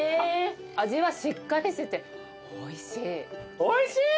味はしっかりしてておいしい。